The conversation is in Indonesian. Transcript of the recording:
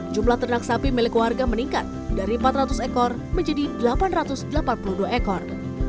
jumlah ternak sapi milik warga meningkat dari empat ratus ekor menjadi delapan ratus delapan puluh dua ekor